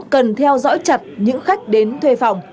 cần theo dõi chặt những khách đến thuê phòng